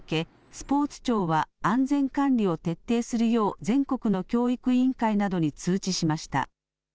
スポーツ庁は安全管理を徹底するよう全国の教育委員会などに通知しました。